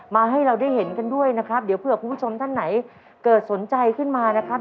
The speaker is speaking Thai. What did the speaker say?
ให้เราได้เห็นกันด้วยนะครับเดี๋ยวเผื่อคุณผู้ชมท่านไหนเกิดสนใจขึ้นมานะครับ